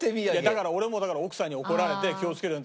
だから俺もだから奥さんに怒られて気をつけるように。